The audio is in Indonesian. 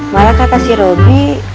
malah kakak si robi